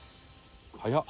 「早っ！」